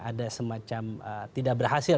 ada semacam tidak berhasil